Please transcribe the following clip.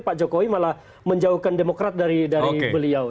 pak jokowi malah menjauhkan demokrat dari beliau